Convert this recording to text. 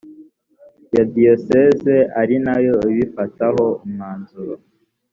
ya diyosezi ari nayo ibifataho umwanzuro